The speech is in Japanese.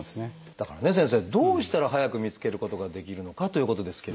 だからね先生どうしたら早く見つけることができるのかということですけれど。